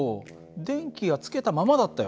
電気がつけたままだったよ。